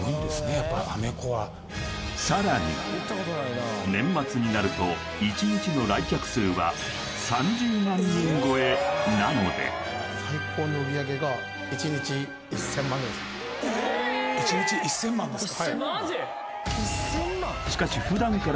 やっぱアメ横はさらに年末になると１日の来客数は３０万人超えなので１日１０００万ですか？